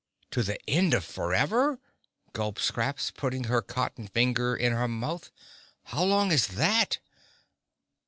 "To the end of forever?" gulped Scraps, putting her cotton finger in her mouth. "How long is that?"